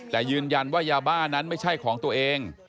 แต่ยืนยันว่ายาบ้านั้นไม่ใช่ของตัวเอง